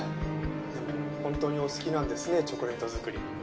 でも本当にお好きなんですねチョコレート作り。